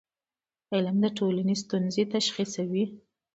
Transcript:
علم د ټولنې ستونزې تشخیصوي.